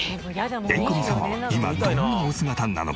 エンクミさんは今どんなお姿なのか？